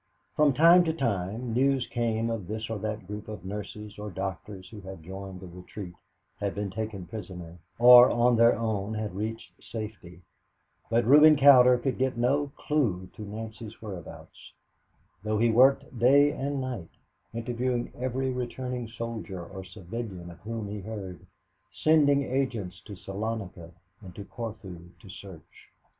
From time to time news came of this or that group of nurses or doctors who had joined the retreat, had been taken prisoner, or on their own had reached safety; but Reuben Cowder could get no clew to Nancy's whereabouts, though he worked day and night, interviewing every returning soldier or civilian of whom he heard, sending agents to Salonika and to Corfu to search.